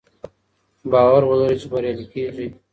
باور ولرئ چې بریالي کیږئ.